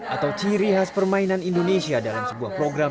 atau ciri khas permainan indonesia dalam sebuah program